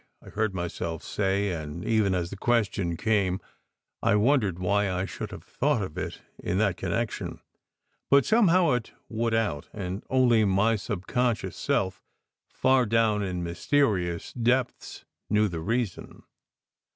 I heard myself say; and even as the question came, I wondered why I should have thought of it in that connection. But somehow it would out, and only my subconscious self, far down in mysterious depths, knew the reason.